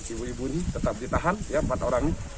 ibu ibu ini tetap ditahan empat orang ini